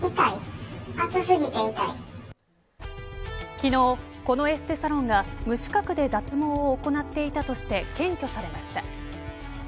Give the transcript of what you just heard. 昨日このエステサロンが無資格で脱毛を行っていたとして検挙されました。